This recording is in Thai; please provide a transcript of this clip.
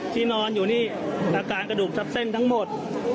ที่นอนอยู่นี่อาการกระดูกทับเส้นทั้งหมด